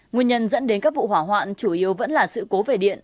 nguyên nhân dẫn đến các vụ hỏa hoạn chủ yếu vẫn là sự cố về điện